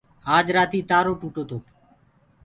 آج رآتي تآرو ٽوٽو تو۔